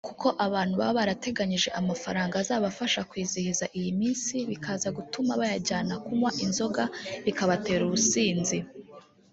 kuko abantu baba barateganyije amafaranga azabafasha kwizihiza iyi minsi bikaza gutuma bayajyana kunywa inzoga zikabatera ubusinzi